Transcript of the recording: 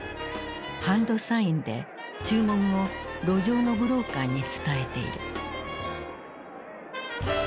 ハンドサインで注文を路上のブローカーに伝えている。